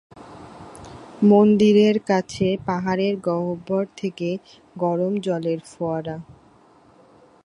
মন্দিরের কাছে পাহাড়ের গহ্বর থেকে গরম জলের ফোয়ারা।